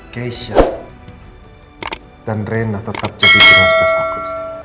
keisha dan reina tetap jadi kelepasan aku